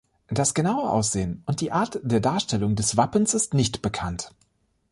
Das genaue Aussehen und die Art der Darstellung des Wappens ist nicht bekannt.